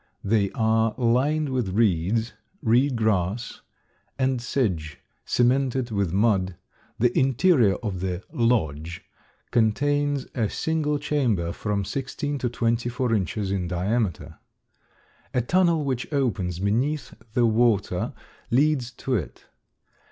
They are lined with reeds, reed grass, and sedge, cemented with mud; the interior of the "lodge" contains a single chamber from sixteen to twenty four inches in diameter. A tunnel which opens beneath the water leads to it.